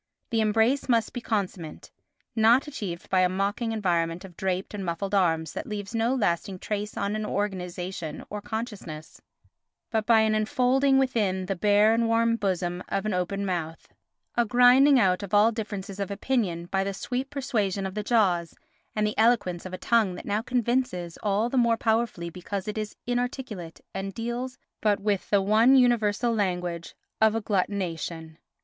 The embrace must be consummate, not achieved by a mocking environment of draped and muffled arms that leaves no lasting trace on organisation or consciousness, but by an enfolding within the bare and warm bosom of an open mouth—a grinding out of all differences of opinion by the sweet persuasion of the jaws, and the eloquence of a tongue that now convinces all the more powerfully because it is inarticulate and deals but with the one universal language of agglutination.